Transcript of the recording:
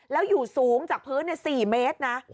แล้วอยู่สูงจากพื้น๔เมตรนะ